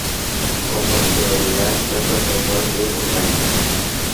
Con posterioridad fue Profesor de Botánica.